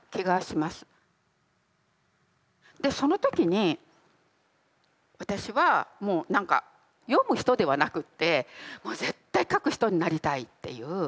でその時に私はもう何か読む人ではなくってもう絶対書く人になりたいっていう。